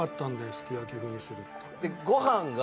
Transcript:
すき焼き風にするって。